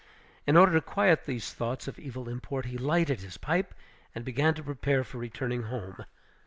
In order to quiet these thoughts of evil import, he lighted his pipe and began to prepare for returning home.